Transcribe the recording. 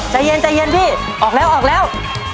ใจเย็นพี่ออกแล้ว